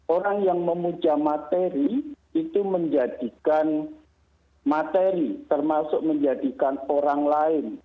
orang yang memuja materi itu menjadikan materi termasuk menjadikan orang lain